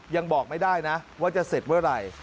ยังบอกไม่ได้นะว่าจะเสร็จเมื่อไหร่